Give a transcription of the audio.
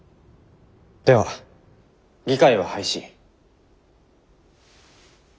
では議会は廃止。